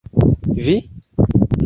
Vi?